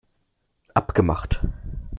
Abgemacht!